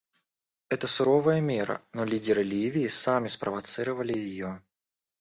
Это суровая мера, но лидеры Ливии сами спровоцировали ее.